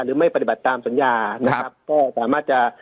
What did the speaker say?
หรือไม่ปฏิบัติตามสัญญานะครับก็สามารถจะ